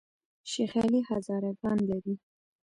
شیخ علي هزاره ګان لري؟